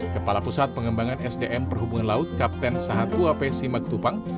kepala pusat pengembangan sdm perhubungan laut kapten sahatua p simaktupang